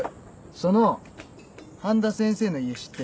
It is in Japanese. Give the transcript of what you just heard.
その半田先生の家知ってる？